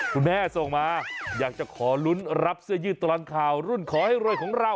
คุณแม่ส่งมาอยากจะขอลุ้นรับเสื้อยืดตลอดข่าวรุ่นขอให้รวยของเรา